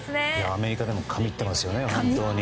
アメリカでも神ってますね。